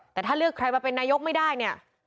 แต่ถ้าเลือกใครมาเป็นนายกไม่ได้เนี่ย